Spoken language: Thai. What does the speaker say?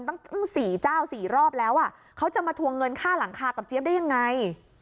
ตั้ง๔เจ้าสี่รอบแล้วอ่ะเขาจะมาทวงเงินค่าหลังคากับเจี๊ยบได้ยังไง